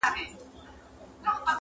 د حق ناره مي کړې ځانته غرغړې لټوم-